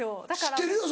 知ってるよ